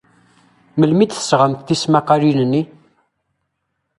Melmi ay d-tesɣamt tismaqqalin-nni?